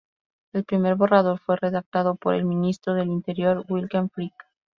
El primer borrador fue redactado por el Ministro del Interior: Wilhelm Frick.